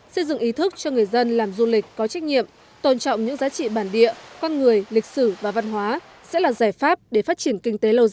xây dựng ý thức cho người dân làm du lịch có trách nhiệm tôn trọng những giá trị bản địa con người lịch sử và văn hóa sẽ là giải pháp để phát triển kinh tế lâu dài